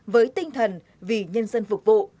với tinh thần vì nhân dân phục vụ